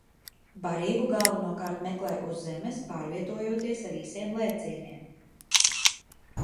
Barību galvenokārt meklē uz zemes, pārvietojoties ar īsiem lēcieniem.